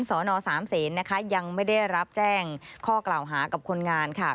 สอนอสามเศษนะคะยังไม่ได้รับแจ้งข้อกล่าวหากับคนงานค่ะ